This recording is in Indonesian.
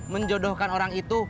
menjodohkan orang itu